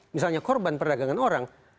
misalnya korban perdagangan orang